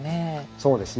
そうですね。